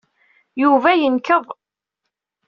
Yuba yenkeḍ.